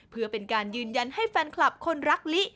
เพื่อเป็นการยืนยันให้แฟนคลับคนรักลิ